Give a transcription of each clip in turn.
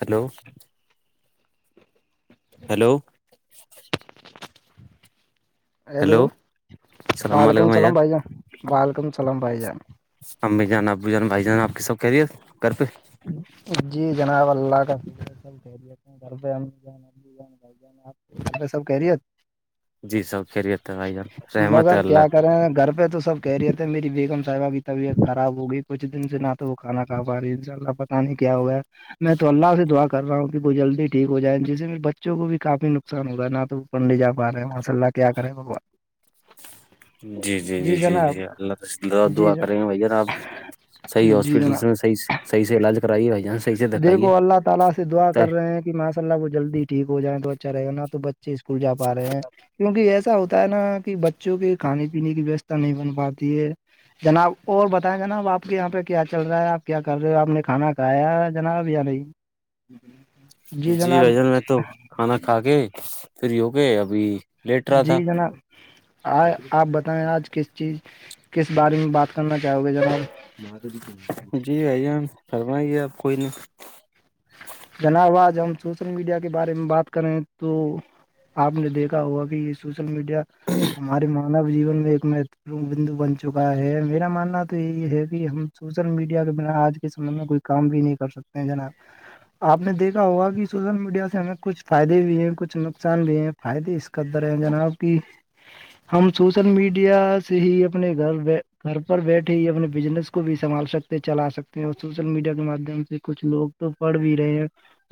Hello hello hello hello وعلیکم سلام بھائی جان وعلیکم سلام بھائی جان امی جانا ابو جانا بھائی جانا آپ کی سب کہہ رہیے گھر پہ جی جناب اللہ کا فکر آپ سارے سب کہہ رہی ہےت جی سب خیریت ہے بھائی جان رحمت ہے مگر اللہ کیا کریں گھر پہ تو سب کہہ رہے تھ مری بیگم صاحبہ کی طبیت خراب ہو گئی کچھ دن سے نہ تو وہ کانا کا پا رہی ان شاء اللہ پتا نہیں کیا ہوا میں تو اللہ سے دعا رہا ہوں کہ وہ جلدی ٹھیک جائے جس میں بچوں کو بھی کافی نقصان ہوگا نہ تو وہ پڑھےا رہے ہیں ماںسلہ کے کیا کریں بگوا جی جی جی جی جناب جی اللہ تع جی دعا کریں گے بھیا آپ بھی صح جی جناب ہاسپٹلس میں صحی صح سے علاج کرائیے بائی جانس دیکھو اللہ تعالی سے دعا کرے کہ ماء اللہ وہ جلدی ٹھیک ہو جائے تو اچھا رہ گا نہ تو اسکول جا رہے ہیں کیونکہ ایسا ہوتا ہوتا ہے نا کہ بچوں کے کھانے پینے کی ویوستھا نہیں بن پاتی ہے جناب اور بتائیں جناب آپ کے یہاں پہ کیا چل رہا ہے آپ کیا کر رہے ہو آپ نے کھانا کھایا ہے جناب یار جی جناب بھائی جان میں تو کھانا کھا کے پھر ہوو کے ابھی لیٹ رہا تھا جی جناب آ آپ بتائیں آج کس چیز کس بارے میں بات کرنا چاہو گے جناب جی بھائیان فرمائیں آپ کوئی نہ جناب آج ہم سوشل میڈیا کے بارے میں بات کریں تو آپ نے دیکھا ہوا کہ یہ سوشل میڈیا ہمارے مانو جیون میں ایک مہتوپ بندو بن چکا ہے میرا ماننا تو یہی ہے کہ ہم سوشل میڈیا کے بنا آج کے سمے میں کوئی کام بھی نہیں کر سکتے ہیں جناب آپ نے دیکھا ہوگا کہ سوشل میڈیا سے ہمیں کچھ فائدے بھی ہیں کچھ نقصان بھی ہیں فائدے اس قدر ہیں جناب کہ ہم سوشل میڈیا سے ہی اپنے گھر بی گھر پر بیٹھے ہی اپنے بزنس کو بھی سنبھال سکتے پ چلا سکتے ہیں اور سوشل میڈیا کے ماددھیم سے کچھ لوگ تو پڑھ بھی رہے ہیں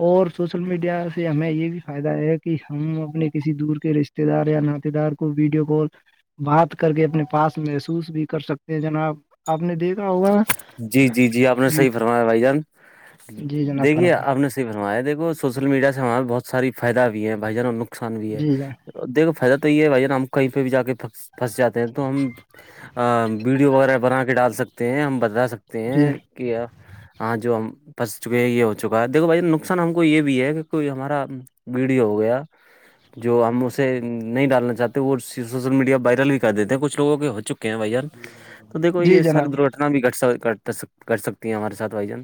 اور سوشل میڈیا ہمیں یہ بھی فائدہ ہے کہ ہم اپنے کسی دور کے رشتے دار یا ناات دار کو ویڈیو کال بات کر کے اپنے پاس محسوس بھی کر سکتے ہیں جناب آپ نے دیکھ جی جی جی آپ نے صحیح فرمایا بھائی جان جی جناب دیکھیے فرمائیں آپ نے بنوا ہے دیکو سوشل میڈیا سے ہمارے بہت ساری فائد بھی ہے بھائی جانوں نقصان بھی ہے جی جناب دیکھو فائدہ تو یہ ہے بھائی ہم کہیں پہ بھی جا کے پھنس جاتے ہیں تو ہم ا وڈیو وغیرہ بنا کے ڈال سکتے ہیں ہم بتا سکتے جی ہیں کہ ہاں جو ہم پنس چکے ہیں یہ ہو چکا ہے دیکو بھائی نقصان ہم کو یہ بھی ہے کہ کوئی ہمارا ویڈیو ہو گیا جو ہم اسے نہیں ڈالنا چاہتے وہ سوشل میڈیا بائ بھی کر دیتے ہیں کھ لو ہو کے ہو چکے ہیں بھائی ار تو دیکو جی یہ ساری جناب در نا بھی کر سکتی ہیں ہمارے سھ بھائی جن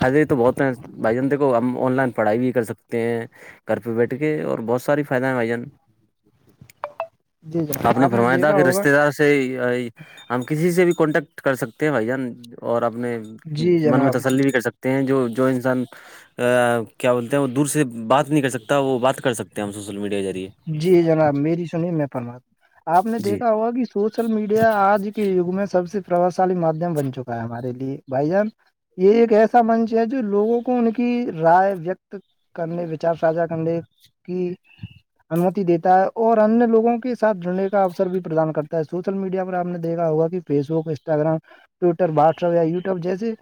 فائدے تو بہت ہیں بھائی جان دیکھو ہم آن لائن پڑھائی بھی کر سکتے ہیں گھر پہ بیٹھ کے اور بہت ساری فائدہ ہے بھائی جان جی جناب آپ نے فرمایا تھا دیکھا کہ ہوگا رشتے دار سے ہم کسی سے بھی کانٹیکٹ کر سکتے ہیں بھائی جان اور اپنے جی من جناب میں تسلی بھی کر سکتے ہیں جو جو انسان کیا بولتے ہیں وہ دور سے بات نہیں کر سکتا وہ بات کر سک ہیں ہم سوشل میڈیا کے ذریعے جی جناب میری سنی میں پرماد آپ نے جی دیکھا ہوا کہ سوشل میڈیا آج کے یگ میں سب سے پرباؤ شالی مادھیم بن چکا ہے ہمارے لیے بھائی جان یہ ایک ایسا منچ ہے جو لوگوں کو ان کی رائے وکت کرنے وچار ساھا کرنے کی انمتی دیتا ہے اور انیہ لووں کے سھ جڑنے کا اوسر بھی پردان کرتا ہے سوشل میڈیا پر آپ نے دیکھا ہوگا کہ Facebook Instagram Twitter WhatsApp یا یوٹیوب جیے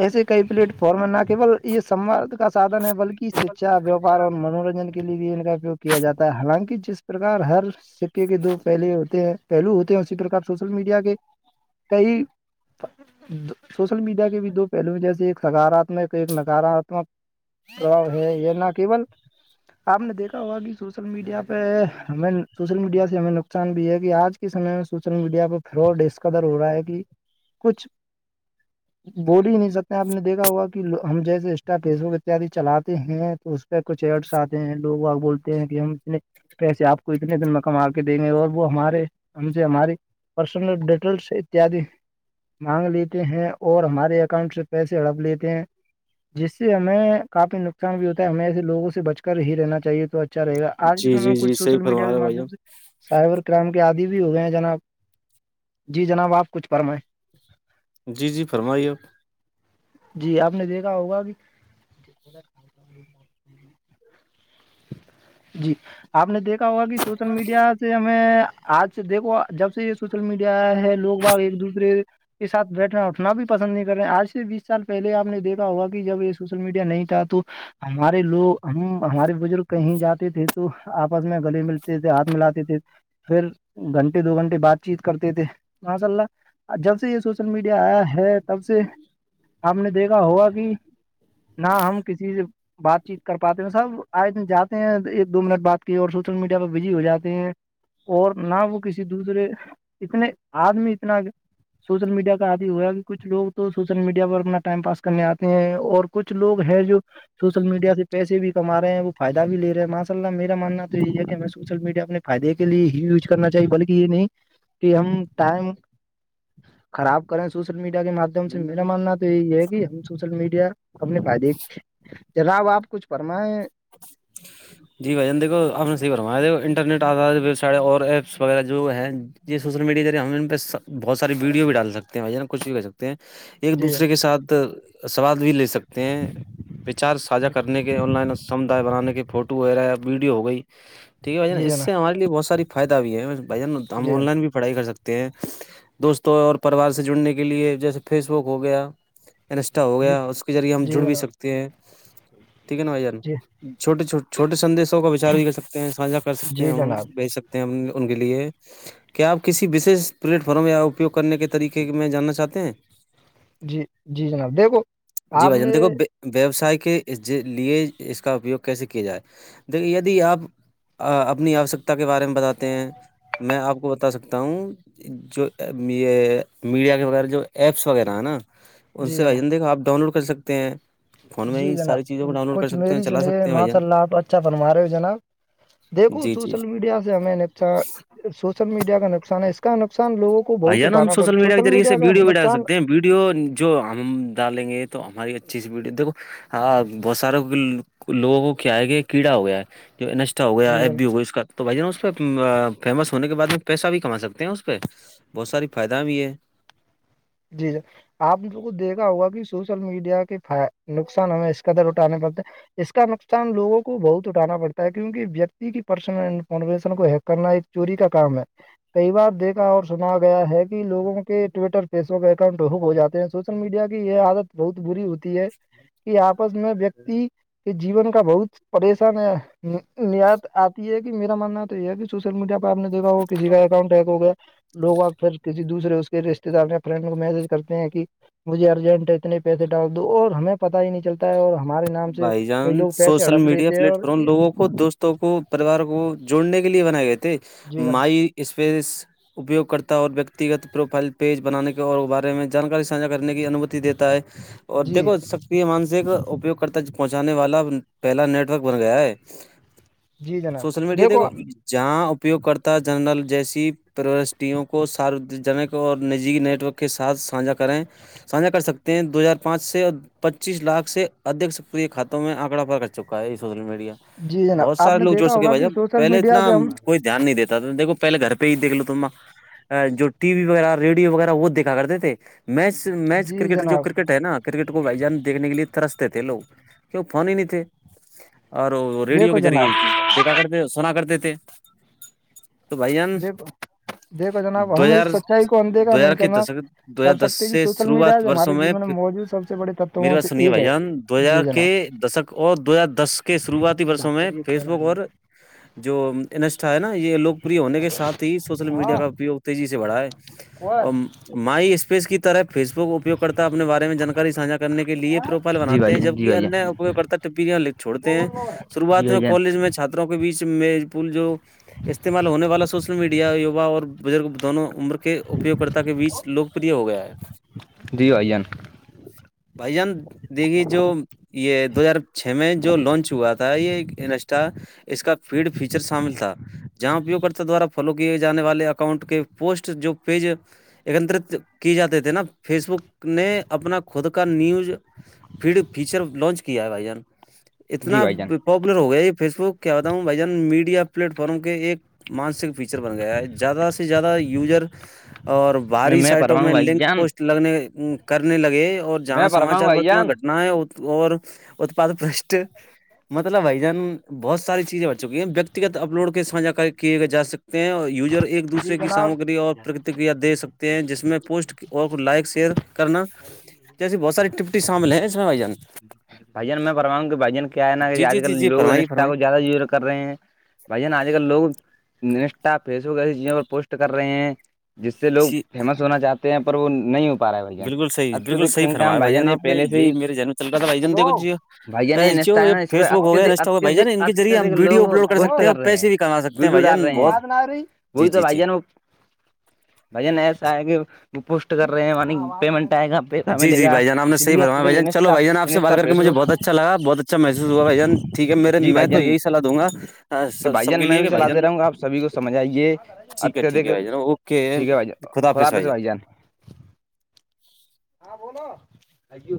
ایسے کئی پلیٹ فارم ہے نہ کےول یہ سواد کا سادھن ہے بلکہ شکچھا ویاپار اور منورنجن کے لیے بھی ان کا اپیوگ کیا جاتا ہے حالانکہ جس پرک ہر سکے کے دو پہلے ہوتے ہیں پہلو ہوتے ہیں اسی پرک سوشل میڈیا کے کئی روو سوشل میڈیا کے بھی دو پہلو میں جیسے ایک سکاراتمک ایک نکاراتمک رو ہے یہ نہ کیول آپ نے دیکھا ہوا کہ سوشل میڈیا پہ ہمیں سوشل میڈیا سے ہمیں نقصان بھی ہے کہ آج کے سمے میں سوشل میڈیا پہ تھراڈ اس کادر ہو رہا ہے کہ کچھ و بول ہی نہیں سکتے آپ نے دیکھا ہوگا کہ ہم جیسے انسٹا فیس بک اتیاد چلاتے ہیں تو پ کچھ ایس آتے ہیں لوگگ بول کہ ہم اتنے پیسے آپ کو اتنے دن میں کم آ کے دیں گے اور وہ ہمارے ہم سے ہماری پرسنل ڈیٹیلس اتد مانگ لیتے ہیں اور ہمارے اکاؤنٹ سے پیسے ہڑپ لیتے ہیں جس سے ہمیں کافی نقصان بھی ہوتا ہے ہمیں ایسے لگوں سے بچ کر ہی رہنا چاہیے تو رہے گ آج کے جی سمے میں جی کچھ جی صحیح سوشل میڈیا فرما کے رہے ہو بھائی مادم جان سے سائبر کرائم کے آدی بھی ہو گئے ہیں جناب جی جناب آپ کچھ کرم جی جی فرمائیے آپ جی آپ نے دیکھا ہوگا کہ [inaudible] جی آپ نے دیکھا ہوا کہ سوشل میڈیا سے ہمیں آج سے دیکو جب سے یہ سوشل میڈیا ہے لوگ باگ ایک دوسرے کے سھ بیٹھنا اٹھنا بھی پسند نہیں کر رہے آج سے بیس سال پہلے آپ نے دیکا ہوا کہ جب یہ سوشل میڈیا نہیں تھا تو ہمارے لوگ ہم ہمارے بزرگ کہیں جاتی تھی تو آپس میں گلی ملتے تھے ہاتھ ملاتے تھے پھر گھنٹے دو گھنٹے بات چیت کرتے تھے ماشاء اللہ جب سے یہ سوشل میڈیا آیا ہے تب سے ہم نے دیکھا ہوگا کہ نہ ہم کسی سے بات چیت کر پاتے ہیں سب آئے جاتے ہیں ایک دو منٹ بات کی اور سوشل میڈیا پہ بزی ہو جاتے ہیں اور نہ وہ کسی دوسرے اتنے آدمی اتنا سوشل میڈیا کا آدی ہو رہا کہ کچھ لوگ تو سوشل میڈیا پر اپنا ٹائم پاس کرنے آتے ہیں اور کچھ لوگ ہیں جو سوشل میڈیا سے پیسے بھی کما رہے ہیں وہ فائدہ بھی لے رہے ماشاء اللہ میرا ماننا تو یہ ہے کہ ہمیں سوشل میڈیا اپنے فائدے کے لی ہییوز کرنا چاہیے بلکہ یہ نہیں کہ ہم ٹائم خراب کریں سوشل میڈیا کے مادھیم سے میرا ماننا تو یہی ہے کہ ہم سوشل میڈیا اپنے بائی دیکھ جراب آپ کچھ فرمائیں جی بھائی جان دیکو آپ نےحی فرمایا دیک انٹرنیٹ آ سے اور ایپس وغیرہ جو ہے جی سوشل میڈیا ہم پہ بہت ساری ویڈیو بھی ڈال سکتے ہیں ن کچھ بھی کر سکتے ہیں ایک جی دوسرے کے ساتھ سواد بھی لے سکتے ہیں وچار ساھا کرنے کے آن لائن اور سمدائے بنانے کے فوٹو فوٹو وغیرہیا ویڈیو ہو گئی ٹھیک ہے بائیان جی اس سے جناب ہمارے بہت ساری فائد بھی ہے بھائی ہم جی آن جناب لائن بھی پڑھائی کر سکتے ہیں دوستوں اور پریوار سے جڑنے کے لیے جیسے فیس بک ہو گیا نسٹہ ہو جی جی گیا اس کے ذریعے ہم جی جڑ بھی جناب سکتے ہیں ٹھیک ہے نا بھ جان جی چھوٹے چھوٹے چھوٹے سندیشوں کا وچار بھی کر سکتے ہیں ساھا کر سکتے جی ہیں جناب بھیج سکتے ہیں ان کے لیے کیا آپ کسی وشیش پلیٹ فارم یا اپیوگ کرنے کے طریقے میں جاننا چاہتے ہیں جی جی جناب دیکھو جی آپ بھائی جان نے دیکھو بے- ویوسائے کے لیے اس کا اپیوگ کیسے کیا جائے دیک دی آپ اپنی آوشکتا کے بارے میں بتاتے ہیں میں آپ کو بتا سکتا ہوں جو یہ میڈیا کے وغیرہ جو ایپس وغیرہ ہیں نا ان جی سے آ جناب دیکھا آپ ڈاؤن لوڈ کر سکتے ہیں فون میں جی ہی ساری جناب چیزوں کو ڈاؤن لوڈ کر کچھ سکتے ہیں میری چلا سنیے سکتے ہیں بھائی ماشاء جان اللہ آپ اھا اچھا فنما رہے ہو جناب دیکھو جی جی سوشل میڈیا سے ہم ن سوشل میڈیا کا نقصان ہے اس کا نقصان لگوں کو بھائی بہت جان ہم اٹھانا پڑتا ہے کے سوشل ذریعے سے میڈیا کا ویڈیو بھی ڈال نقصان سکتے ہیں ویڈیو جو ہم ڈالیں گے تو ہماری اچھی سی ویڈیو دیکھو ہاں بہت سارے لوگوں کو کیا ہے کہ کیڑا ہو گیا ہے جو اا ہو گیا جی جناب ای ہو گئی اس کا تو بھائی ج نا اس پہ فیمس ہونے کے بعد میں پیسہ بھی کما سکتے ہیں اس پہ بہت ساری فائدہ بھی ہے جی جر آپ کو دیکھا ہوگا کہ سوشل میڈیا کے نقصان ہمیں اس قدر اٹھانے پڑتے اس کا نقصان لوگوں کو بہت اٹھانا پڑتا ہے کیونکہ ویکتی کی پرسنل انفارمیشن کو ہیک کرنا ایک چوری کا کام ہے کئی بار دیکھا اور سنا گیا ہے کہ لوگوں کے ٹویٹر فیس بک اکاؤنٹب ہو جاتے ہیں سوشل میڈیا کی یہ عادت بہت بری ہوتی ہے کہ آپس میں ویکتی کے جیون کا بہت پریشان ہے نیایت آتی ہے کہ میرا ماننا تو یہ ہے کہ سوشل میڈیا پہ آپ دیکھا وہ کسی کا اکاؤنٹ ہیک ہو گیا لوگ آب پھر کسی دوسرے اس کے رشتے دار نے فرینڈ کو میسج کرتے ہیں کہ مجھے ارجنٹ ہے اتنے پیسے ڈال دو اور ہمیں پتہ ہی نہیں چلتا ہے اور ہمارے نام سے بھائی کئی جان لوگ پیسے سوشل ہڑپ میڈیا لیتے ہیں پلیٹ اور فارم یہ لوگوں دوستوں کو پریوار کو جوڑنے کے لیے بنائے گئے تھے جی جناب مائی اسپیس اپیوگ کررتا اور ویکتیگت پروفائل پیج بنانے کے اور بارے میں جانکاری سانھا کرنے کی انمتی دیتا ہے اور جی دیکھو سکتی مان سےک اپیوگ کرتا پہنچانے والا پہلا نیٹورک بن گیا ہے جی جناب سوشل میڈیا د دیکھو کو جہاں اپیوگ کررتا جنرل جیسی پروسوں کو ساروجنک اور نجییکی نیٹ ورک کے ساتھ سانھا کریں سانھا کر سکتے ہیں دو ہزار پانچ سے اور پچیس لاکھ سے ادھ سکریے خاتوں میں آنکڑا پ کر چکا ہے یہ سوشل میڈیا جی جناب بہت آپ سارے نے لوگ جوڑ دیکھا سکے ہوگا بھائی کہ جب سوشل پہلے میڈیا اتنا سے ہم کوئی دھیان نہیں دیتا تھامیکھو پہے گھر پہ ہی دیک لو تما جو ٹی وی وغیرہ ریڈیو وغیرہ وہ دیکھا کرتے تھے میچ میچ ک جی کرکٹر جو جناب کرکٹ ہے نا کرکٹ کو وجان دیکنے کے لیے طرا تھے لوگ کی فون ہی نہیں تھے اور ریڈیو دیکھو کے ذریعے جناب ہی دیکھا کرتے سنا کرتے تھے تو بھائی جان دیکھو دیکھو جناب دو ہم اس ہزار سچائی کو اندیکھا دو نہیں ہزار کے کرنا دشک دو کر ہزار دس سکتے کہ سے سوشل میڈیا شروعات جو ہمارے برسوں جین میں موجود سب سے بڑے تتو میری وہاں بات سے سنیے ایک بھائی ہے جان دو ہزار جی کے جناب دشک اور دو ہزار دس کے شروعات ورسوں بات میں کریے فیس کال آ بک رہی اور جو انسٹا ہے نا یہ لوگ ہونے کے ہے ساتھ ہی سوشل میڈیا کا اپیگ تیزی سے بڑھا ہے وہ مائی اسپیس کی طرح فیس بک اپیو کرتا اپنے بارے میں جانکاری سانھا کرنے کے لیے پروفائل جی بناتے بھائی ہیں جان جی جبکہ بھائی جان انیہ اپیوگ کرتا پیاں چھوڑتے ہیں جی شروعات میں بھائی جان کالج میں چھاتروں کے بیچ می پل جو استعمال ہونے والا سوشل میڈیایوا اور بزرگ دونوں عمر کے اپیوگکرتا کے بیچ لوکپریہ ہو گیا ہے جی بھائی جان بھجن دیکھ جو یہ دو ہزار چھ میں جو لانچ ہوا تھا یہ انسٹا اس کا فیڈ فیچر شامل تھا جہاں اپیو کررتا دوارا فالو کیے جے والے اکاؤنٹ کے پوسٹ جو پیج ایکترت کیے جاتے تھے نا فیس بک نے اپنا خود کا نیوز پھر فیچر لانچ کیا ہے بھائی جان جی اتنا بھائی جان پاپولر ہو گیا یہ فیس بک کیا بتا ہوں بھائی جان میڈیا پلیٹ فارم کے ایک مانسک فیچر بن گیا ہے زیادہ سے زیادہ یوزر اور میں باہری سائٹوں پرواں ہوں میں بھائی لنک جان پوسٹ لگنے کرنے لگے اور میں جہاں پرواں ہوں سماچار بھائی برتمان جان گٹ نہ ہے اور اتپاد بشٹ مطلب بائی جان بہت ساری چیزیں بھ چکی ہیں ویکتیگت اپلوڈ کے ساھا کیے گئے جا سک تو یوزر [unintelligible] ایک جی دوسرے کی جناب سامگری اور پرتکریا دے سکتے ہیں جس میں پوسٹ اور لائک شیئر کرنا جیسیے بہت ساری ٹپٹی شامل ہے اس میں بھائی جان بھ جان میں فرماؤ گ کہ بھائی جان کیا ہے نا کہ جی آج جی کل جی جی لو فرمائیے انشٹا فرمائیے کو زیادہ ج کر رہے ہیں بھائی جانا آج کل لوگ انسٹا فیس بک ایسی چیزوں پر پوسٹ کر رہے ہیں جس سے لوگ جی فیمس ہونا چاہتے ہیں پر وہ نہیں ہو پا رہا ہے بھائی جان بالکل صحیح بالکل اتدک صح سنکھیا میں فرمایا بھائی جان بائیان آپ نے پہلے سے یہی ہی میرے جن ل تھا بائی جان ہلو دیکھ بھیا نے انسٹا ہے یہ نا اس پہ فیس بک ہو گیا اتدک انٹ ہو اتدک بھان کے ریے ہم اتدک ویڈیو لوگ اپ لوڈ کر پوسٹ سکتے ہیں اور رہے پیسے بھی کما سکتے ہیں ویڈیو ڈال بھ رہے بہت ہیں جی وہی تو جی بھائی جی جان وہ بھائی ن ایسا ہے کہ وہ پوسٹ کر رہے ہیں پیمنٹ آئے گا پیسہ جی ملے جی گا بائی جان آ اس نےحی لیے برما بھائی اتدک جان چو انسٹا بھائی جانپ سے بات انسٹا کر مجھے پیسوں کو۔ بہت اچھا لا بہت اچھا محسوس ہواھ ٹھیک ہے میرے جی میں بھائی تو جان یہیحلاحوں گا کہ بھائی سب کے جان میں لیے بھی کہ بھائی چلا جان د رہوں گا آپ سبھی کو سمجھائیے ٹھیک ہے ٹھیک اتیہدھک ہے بھائی جان اوکے ٹھیک ہے بھائی خدافظ بھائی جان ہاں بولو آ